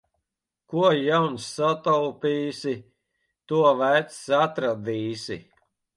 Ko jauns sataupīsi, to vecs atradīsi.